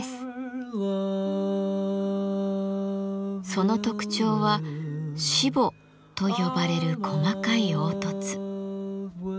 その特徴はしぼと呼ばれる細かい凹凸。